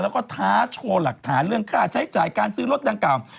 แล้วก็ท้าโชว์หลักฐานเรื่องค่าใช้จ่ายการซื้อรถดังกล่าว